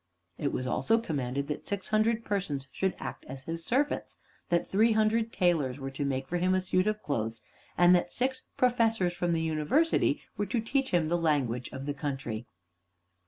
It was also commanded that six hundred persons should act as his servants; that three hundred tailors were to make for him a suit of clothes; and that six professors from the University were to teach him the language of the country.